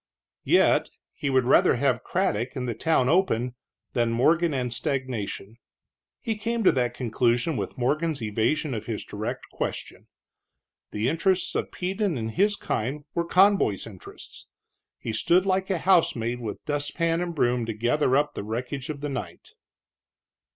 Yet he would rather have Craddock, and the town open, than Morgan and stagnation. He came to that conclusion with Morgan's evasion of his direct question. The interests of Peden and his kind were Conboy's interests. He stood like a housemaid with dustpan and broom to gather up the wreckage of the night.